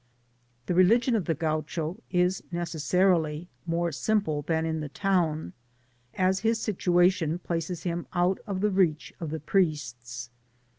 The religion of the Oaucho is necessarily mm*e simple than in the town, as his situation places him out of the reach of the priests.